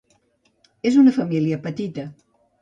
És una família petita.